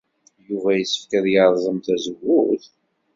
Yuba yessefk ad yerẓem tazewwut?